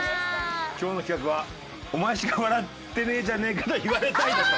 今日の企画は「“お前しか笑ってねえじゃねえか！”と言われたい」でした。